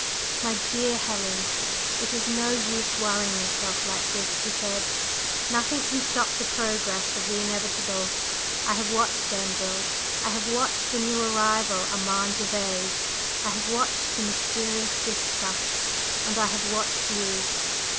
"My dear Helen, it's no use worrying yourself like this," he said. "Nothing can stop the progress of the Inevitable. I have watched Denzil, I have watched the new arrival, Armand Gervase, I have watched the mysterious Ziska, and I have watched you!